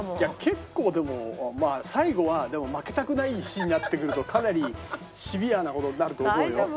結構でもまあ最後は負けたくない一心になってくるとかなりシビアな事になると思うよ。